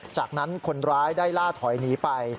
จากนั้นคนร้ายได้ล่าถอยหนีไป